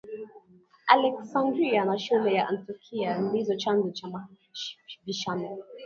Aleksandria na shule ya Antiokia ndizo chanzo cha mabishano